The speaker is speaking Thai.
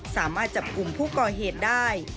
สามารถจับกลุ่มผู้ก่อเหตุได้